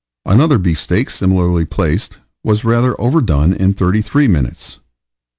Another beef steak, similarly placed, was rather overdone in thirty three minutes.